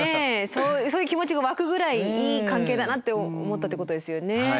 そういう気持ちが湧くぐらいいい関係だなって思ったってことですよね。